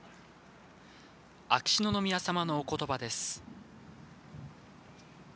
秋篠宮さまのおことばです。